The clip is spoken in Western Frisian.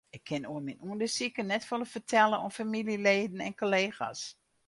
Ik kin oer myn ûndersiken net folle fertelle oan famyljeleden en kollega's.